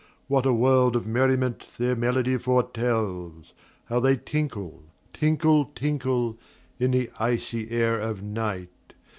What a world of merriment their melody foretells! How they tinkle, tinkle, tinkle, In the icy air of night!